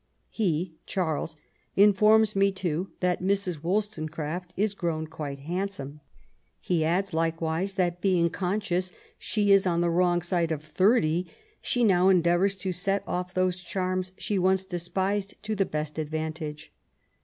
He [Charles] informs me too that Mrs, WolUtonecraft is grown quite handsome ; he adds likewise that, being conscious she is on the wrong side of thirty, she now endeayours to set off those charms she once despised, to the best advantage.